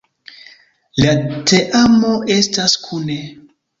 La teamo estas kune.